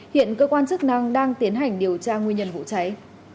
hiện cơ quan chức năng đang tiến hành điều tra nguyên nhân vụ cháy